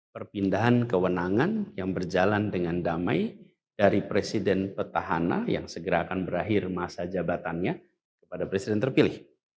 perpindahan kewenangan yang berjalan dengan damai dari presiden petahana yang segera akan berakhir masa jabatannya kepada presiden terpilih